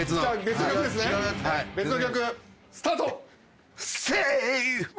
別の曲スタート！